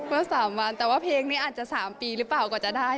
ว่า๓วันแต่ว่าเพลงนี้อาจจะ๓ปีหรือเปล่ากว่าจะได้